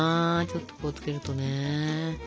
ちょっとこう付けるとね。